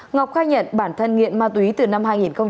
ngọc khai nhận bản thân nghiện ma túy từ năm hai nghìn